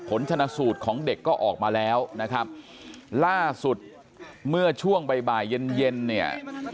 ผลชนะสูตรของเด็กก็ออกมาแล้วนะครับล่าสุดเมื่อช่วงบ่ายบ่ายเย็นเย็นเนี่ย